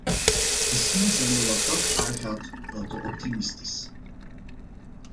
Misschien zijn we wat dat aangaat wel te optimistisch.